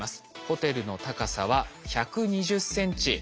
ホテルの高さは１２０センチ。